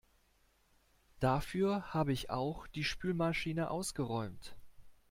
Dafür habe ich auch die Spülmaschine ausgeräumt.